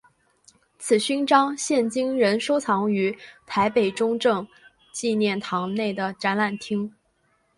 此勋章现今仍收藏于台北中正纪念堂内的展览厅。